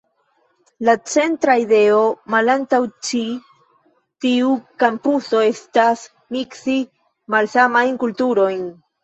La centra ideo malantaŭ ĉi tiu kampuso estas miksi malsamajn kulturojn.